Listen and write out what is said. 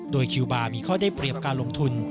โดยคิวบาร์มีข้อได้เปรียบการลงทุน